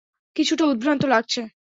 কিছুটা উদ্ভ্রান্ত লাগছে।